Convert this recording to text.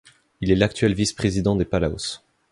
Il est l'actuel vice-président des Palaos.